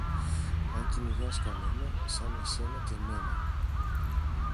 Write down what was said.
Αν κυνηγάς κανένα σαν εσένα και μένα